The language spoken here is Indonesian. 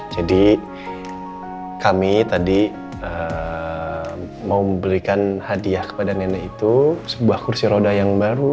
kami tadi mau memberikan hadiah kepada nenek itu sebuah kursi roda yang baru